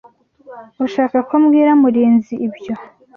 Urashaka ko mbwira Murinzi ibyo?